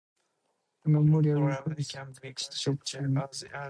The Memorial includes the Church of Saint Mary the Virgin, Aldermanbury.